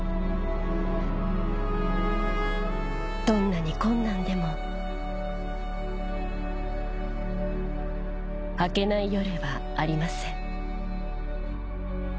どんなに困難でも明けない夜はありません